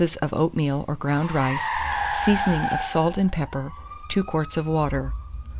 of oatmeal or ground rice, seasoning of salt and pepper, 2 quarts of water.